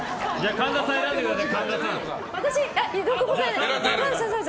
神田さん選んでください。